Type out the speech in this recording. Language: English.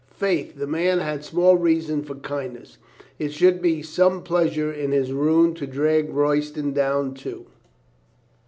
Faith, the man had small reason for kindness. It should be some pleas ure in his ruin to drag Royston down, too.